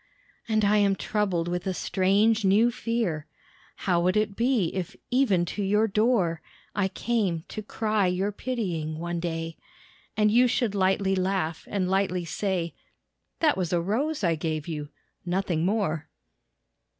And I am troubled with a strange, new fear, How would it be if even to your door I came to cry your pitying one day, And you should lightly laugh and lightly say, "That was a rose I gave you nothing more."